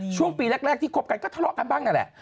ช่วงปีแรกที่คบกันก็ทะเลาะกันบ้างนั่นแหละ